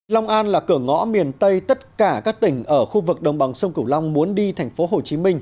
long an là cửa ngõ miền tây tất cả các tỉnh ở khu vực đồng bằng sông cửu long muốn đi thành phố hồ chí minh